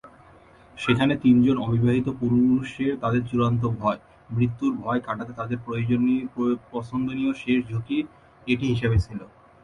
সেখানে তিনজন অবিবাহিত পুরুষের তাদের চূড়ান্ত ভয়, মৃত্যুর ভয় কাটাতে তাদের পছন্দনীয় শেষ ঝুকি এটি হিসেবে ছিল।